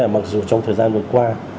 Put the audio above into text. mặc dù trong thời gian vừa qua